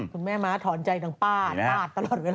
คุณแม่ม้าถอนใจต่างป้านป้านตลอดเวลา